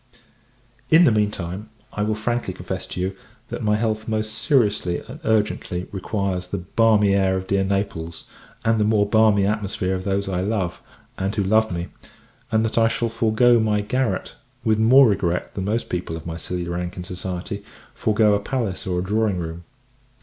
In the mean time, I will frankly confess to you, that my health most seriously and urgently requires the balmy air of dear Naples, and the more balmy atmosphere of those I love, and who love me; and that I shall forego my garret with more regret than most people of my silly rank in society forego a palace or a drawing room.